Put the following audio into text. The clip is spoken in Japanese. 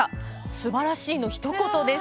すばらしいのひと言です。